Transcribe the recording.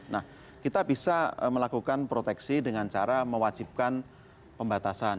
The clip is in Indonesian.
nah kita bisa melakukan proteksi dengan cara mewajibkan pembatasan